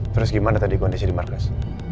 terus gimana tadi kondisi di markas